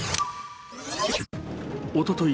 おととい